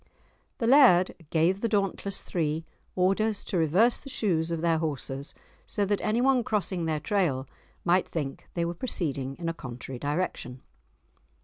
The Laird gave the dauntless three orders to reverse the shoes of their horses, so that anyone crossing their trail might think they were proceeding in a contrary direction.